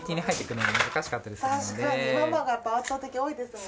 確かにママが圧倒的に多いですもんね。